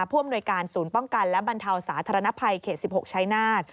ผู้อำนวยการศูนย์ป้องกันและบรรเทาสาธารณภัยเขต๑๖ชัยนาธ